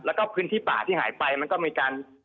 แล้วก็พื้นที่ป่าที่หายไปมันก็มีการ